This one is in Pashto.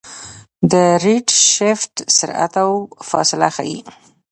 د ریډشفټ سرعت او فاصله ښيي.